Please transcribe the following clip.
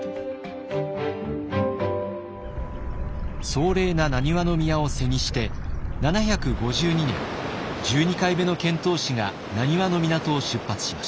壮麗な難波宮を背にして７５２年１２回目の遣唐使が難波の港を出発しました。